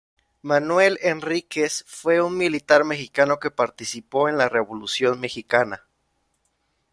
Manuel Enríquez fue un militar mexicano que participó en la Revolución mexicana.